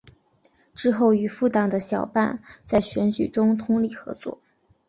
之后与复党的小坂在选举中通力合作。